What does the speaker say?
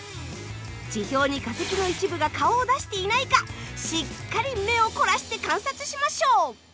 地表に化石の一部が顔を出していないかしっかり目を凝らして観察しましょう。